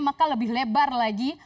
maka lebih lebar lagi